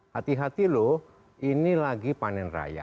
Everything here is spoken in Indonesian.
hati hati loh ini lagi panen raya